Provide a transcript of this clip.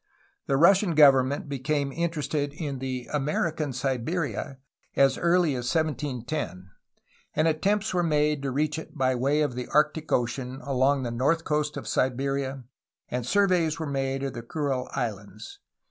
The Russian government became interested in the "American Siberia'' as early as 1710, and attempts were made to reach it by way of the Arctic Ocean along the north coast of Siberia, and surveys were made of the Kurile Islands.